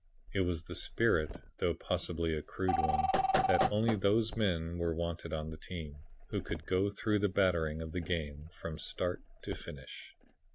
"It was the spirit, though possibly a crude one, that only those men were wanted on the team who could go through the battering of the game from start to finish.